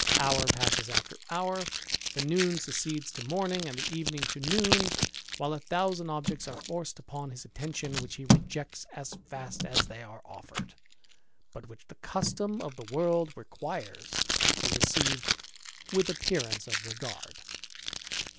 Hour passes after honi; the noon succeeds to morning, and the evening to noon, X THE IDLER. 285 a thousand objects are forced upon his attention, . he rejects as fast as they are offered, but which the m of the world requires to be received with appearance ;ard.